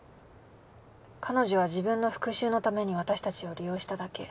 彼女は自分の復讐のために私たちを利用しただけ。